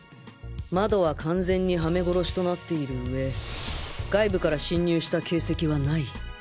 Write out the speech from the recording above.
窓は完全に嵌め殺しとなっている上外部から侵入した形跡はない。